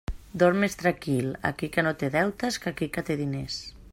Dorm més tranquil aquell que no té deutes que aquell que té diners.